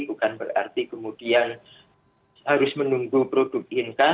bukan berarti kemudian harus menunggu produk income